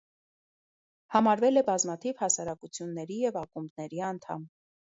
Համարվել է բազմաթիվ հասարակությունների և ակումբների անդամ։